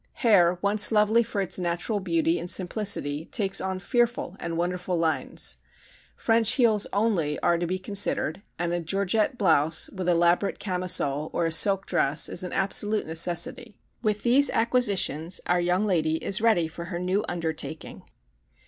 Hair once lovely for its natural beauty and simplicity takes on fearful and wonderful lines. French heels only are to be considered and a georgette blouse with elaborate camisole or a silk dress is an absolute necessity. With these acquisitions our young lady is ready for her new undertaking.